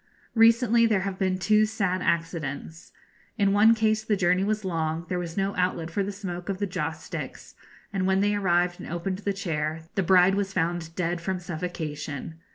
Recently there have been two sad accidents. In one case the journey was long, there was no outlet for the smoke of the joss sticks, and when they arrived and opened the chair, the bride was found dead from suffocation.